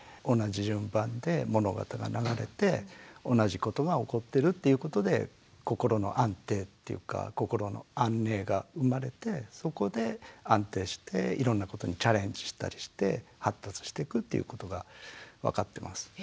同じ順番で物事が流れて同じことが起こってるっていうことで心の安定というか心の安寧が生まれてそこで安定していろんなことにチャレンジしたりして発達してくっていうことが分かってます。